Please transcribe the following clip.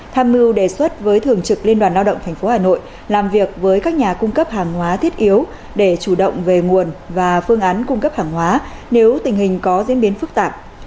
tham mưu đề xuất với thường trực liên đoàn lao động tp hà nội làm việc với các nhà cung cấp hàng hóa thiết yếu để chủ động về nguồn và phương án cung cấp hàng hóa nếu tình hình có diễn biến phức tạp